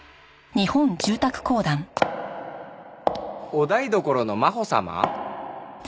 「お台所のマホ様」？